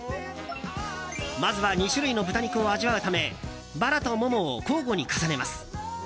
まずは２種類の豚肉を味わうためバラとモモを交互に重ねます。